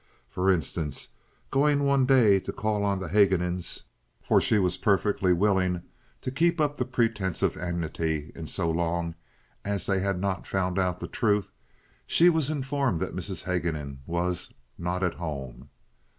For instance, going one day to call on the Haguenins—for she was perfectly willing to keep up the pretense of amity in so long as they had not found out the truth—she was informed that Mrs. Haguenin was "not at home."